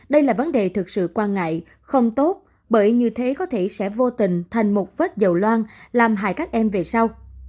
đây là vấn đề thực sự quan ngại không tốt bởi như thế có thể sẽ vô tình thành một vết dầu loan làm hài các em về sau